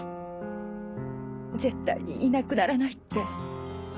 絶対にいなくならないって。